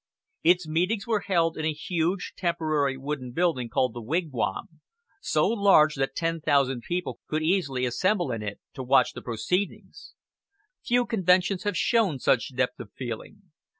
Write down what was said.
Its meetings were held in a huge temporary wooden building called the Wigwam, so large that 10,000 people could easily assemble in it to watch the proceedings. Few conventions have shown such depth of feeling.